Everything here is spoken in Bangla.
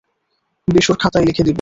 বিশুর খাতায় লিখে দিব।